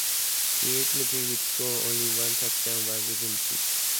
He ultimately would score only one touchdown while with the Chiefs.